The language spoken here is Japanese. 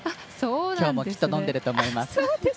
きょうもきっと飲んでると思います。